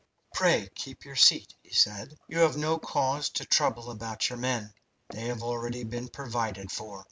"Pray keep your seat," said he. "You have no cause to trouble about your men. They have already been provided for.